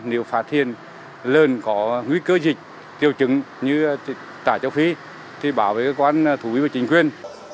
nếu phát hiện lợn có nguy cơ dịch tiêu chứng như tả chống phí thì bảo vệ cơ quan thu y và chính quyền